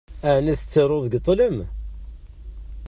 Ɛni tettaruḍ deg ṭṭlam?